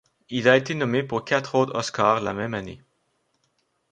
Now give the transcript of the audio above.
Il a été nommé pour quatre autres Oscars la même année.